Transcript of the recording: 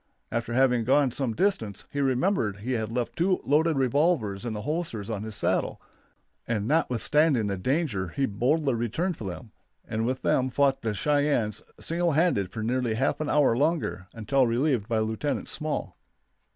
After having gone some distance he remembered he had left two loaded revolvers in the holsters on his saddle, and notwithstanding the danger he boldly returned for them, and with them fought the Cheyennes single handed for nearly half an hour longer, until relieved by Lieutenant Small.